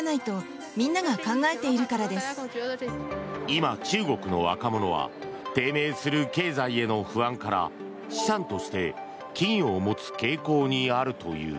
今、中国の若者は低迷する経済への不安から資産として金を持つ傾向にあるという。